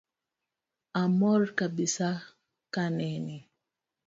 Amor kabisa kaneni